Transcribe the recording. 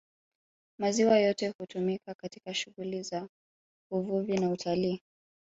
Maziwa yote hutumika katika shughuli za Uvuvi na Utalii